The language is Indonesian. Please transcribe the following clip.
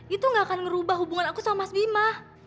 itu gak akan merubah hubungan aku sama mas bima